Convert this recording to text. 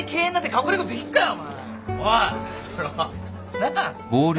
なあ。